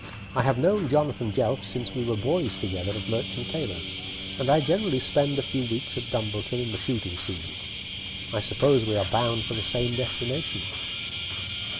I have known Jonathan Jelf since we were boys together at Merchant Taylor's, and I generally spend a few weeks at Dumbleton in the shooting season. I suppose we are bound for the same destination?"